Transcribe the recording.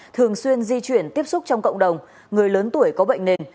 thường xuyên di chuyển tiếp xúc trong cộng đồng người lớn tuổi có bệnh nền